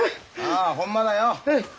ああホンマだよ。